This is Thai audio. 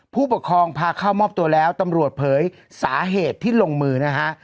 ผู้ปกครองพาเข้ามอบตัวแล้วตำรวจเผยสาเหตุที่ลงมือนะฮะ